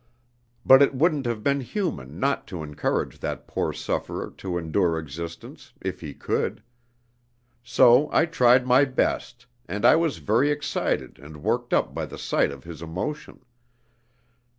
But it wouldn't have been human not to encourage that poor sufferer to endure existence, if he could. So I tried my best, and I was very excited and worked up by the sight of his emotion.